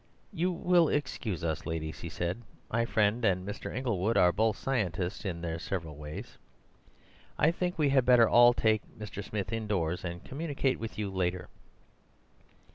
"You will excuse us, ladies," he said; "my friend and Mr. Inglewood are both scientists in their several ways. I think we had better all take Mr. Smith indoors, and communicate with you later."